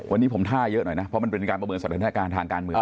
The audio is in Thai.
วันนี้ผมท่าเยอะหน่อยนะเพราะมันเป็นการประเมินสถานการณ์ทางการเมือง